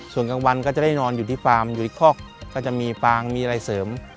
ส่วนกลางวันก็จะได้นอนอยู่ที่ฟาร์มอยู่ที่คอกก็จะมีฟางมีอะไรเสริม